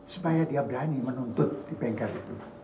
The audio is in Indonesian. supaya dia berani menuntut di bengkel itu